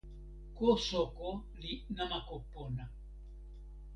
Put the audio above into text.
ko soko li namako pona.